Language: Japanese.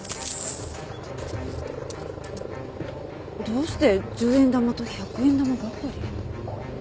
どうして１０円玉と１００円玉ばかり。